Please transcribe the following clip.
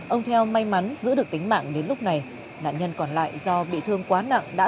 ông theo may mắn giữ được tính mạng đến lúc này nạn nhân còn lại do bị thương quá nặng đã